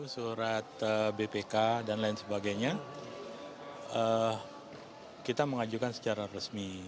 surat bpk dan lain sebagainya kita mengajukan secara resmi